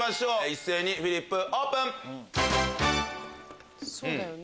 一斉にフリップオープン！